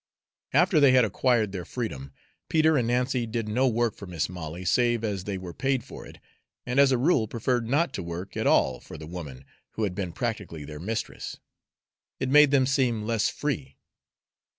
After they had acquired their freedom, Peter and Nancy did no work for Mis' Molly save as they were paid for it, and as a rule preferred not to work at all for the woman who had been practically their mistress; it made them seem less free.